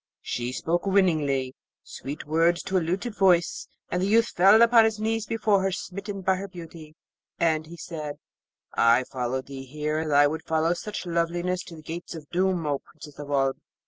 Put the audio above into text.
She spoke winningly, sweet words to a luted voice, and the youth fell upon his knees before her, smitten by her beauty; and he said, 'I followed thee here as I would follow such loveliness to the gates of doom, O Princess of Oolb.'